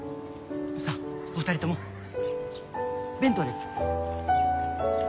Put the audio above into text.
さあお二人とも弁当です。